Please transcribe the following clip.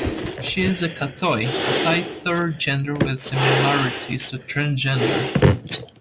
She is a kathoey, a Thai third gender with similarities to transgender.